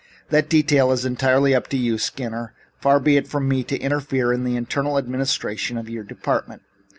"That detail is entirely up to you, Skinner. Far be it from me to interfere in the internal administration of your department.